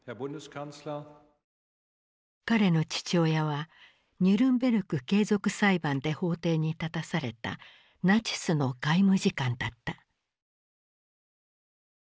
彼の父親はニュルンベルク継続裁判で法廷に立たされたナチスの外務次官だった。